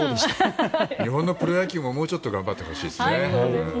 日本のプロ野球ももうちょっと頑張ってほしいですね。